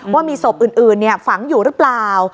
ว่ามีศพอื่นฝังอยู่หรือเปล่า